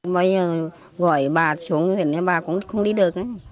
bây giờ gọi bà xuống thì bà cũng không đi được